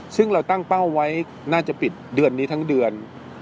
ซึ่งเราตั้งเป้าไว้น่าจะปิดเดือนนี้ทั้งเดือน